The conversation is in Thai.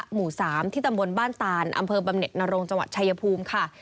หมู่๓ที่ตำบลบ้านตานอำเภอบำเน็ตนรงจังหวัดชายภูมิค่ะ